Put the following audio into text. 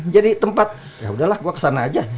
jadi tempat ya udahlah gue kesana aja